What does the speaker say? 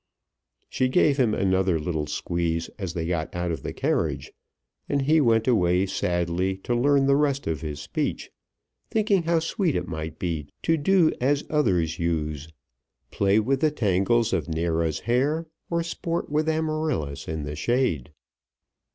She gave him another little squeeze as they got out of the carriage, and he went away sadly to learn the rest of his speech, thinking how sweet it might be "To do as others use; Play with the tangles of Neæra's hair, Or sport with Amaryllis in the shade."